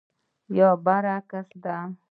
یا برعکس ده.